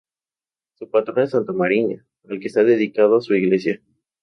Su patrona es Santa Mariña, al que está dedicado su iglesia.